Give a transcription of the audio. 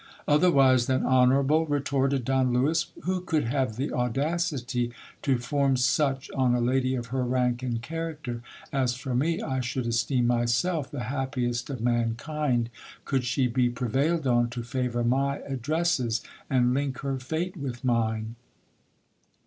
Otherwise than honourable ! retorted Don Lewis ; who could have the audacity to form such on a lady of her rank and character ? As for me, I should esteem myself the happiest of mankind, could she be pre vailed on to favour my addresses, and link her fate with mine.